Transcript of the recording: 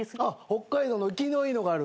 北海道の生きのいいのがある。